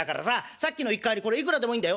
さっきの一荷入りこれいくらでもいいんだよ